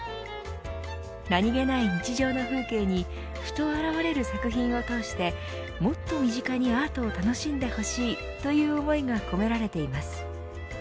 何気ない日常の風景にふと現れる作品を通してもっと身近にアートを楽しんでほしいという思いが込められています。